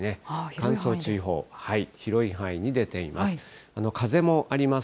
乾燥注意報、広い範囲に出ています。